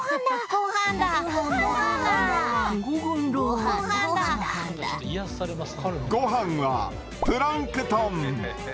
ゴハンはプランクトン。